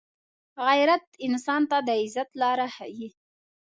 غیرت انسان ته د عزت لاره ښيي